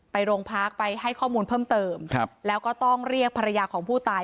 ไปโรงพักไปให้ข้อมูลเพิ่มเติมครับแล้วก็ต้องเรียกภรรยาของผู้ตาย